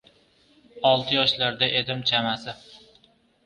Olti yoshlarda edim chamasi.